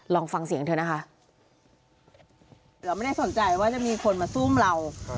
ลองฟังเสียงเถอะนะคะ